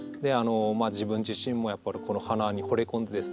自分自身もやっぱりこの花にほれ込んでですね